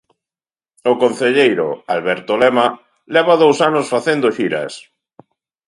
O concelleiro, Alberto Lema, leva dous anos facendo xiras.